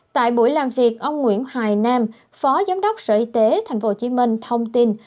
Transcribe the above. tại buổi làm việc ông nguyễn hoài nam phó giám đốc sở y tế tp hcm thông tin